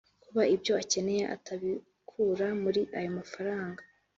Kuba ibyo akeneye atabikura muri ayo mafaranga